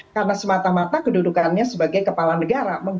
karena semata mata kedudukannya sebagai kepala negara